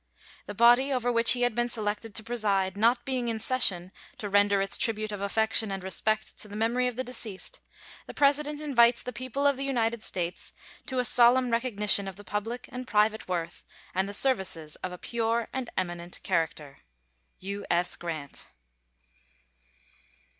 The body over which he had been selected to preside not being in session to render its tribute of affection and respect to the memory of the deceased, the President invites the people of the United States to a solemn recognition of the public and private worth and the services of a pure and eminent character. U.S. GRANT.